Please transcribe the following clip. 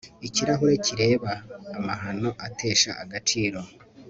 Ikirahure kireba amahano atesha agaciro